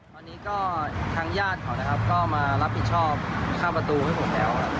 ตอนนี้ก็ทางญาติเขานะครับก็มารับผิดชอบค่าประตูให้ผมแล้วครับ